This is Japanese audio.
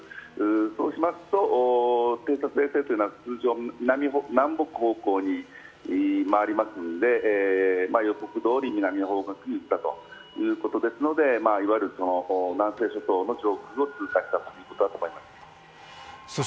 そうしますと偵察衛星というのは通常南北方向に回りますので、予告どおり、南の方角にいったということですのでいわゆる南西諸島の上空を通過したということだと思います。